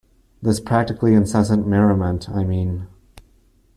This practically incessant merriment, I mean.